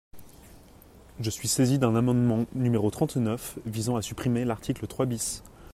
Je suis saisi d’un amendement numéro trente-neuf visant à supprimer l’article trois bis.